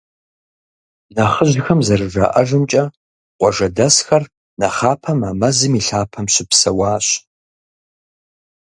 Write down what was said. Нэхъыжьхэм зэрыжаӏэжымкӏэ, къуажэдэсхэр нэхъапэм а мэзым и лъапэм щыпсэуащ.